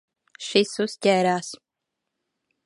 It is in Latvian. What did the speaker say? Šis uzķērās.